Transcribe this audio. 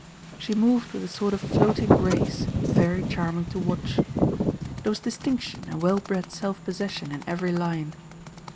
She moved with a sort of floating grace, very charming to watch. There was distinction and well bred self possession in every line.